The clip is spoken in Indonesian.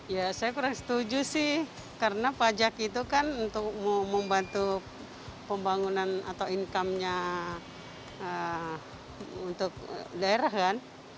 ya saya kurang setuju sih karena pajak itu kan untuk membantu pembangunan atau income nya untuk daerah kan